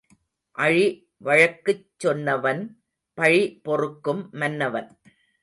அழி வழக்குச் சொன்னவன் பழி பொறுக்கும் மன்னவன்.